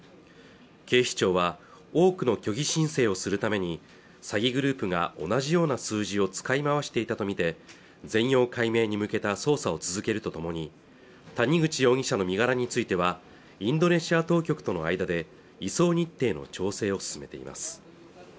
警視庁は多くの虚偽申請をするために詐欺グループが同じような数字を使い回していたとみて全容解明に向けた捜査を続けるとともに谷口容疑者の身柄についてはインドネシア当局との間で移送日程の調整を進めています